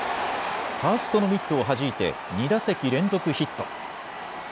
ファーストのミットをはじいて２打席連続ヒット。